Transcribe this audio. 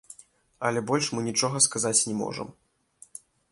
Але больш мы нічога сказаць не можам.